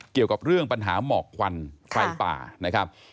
เกี่ยวกับเรื่องปัญหาหมอกควันไฟป่านะครับ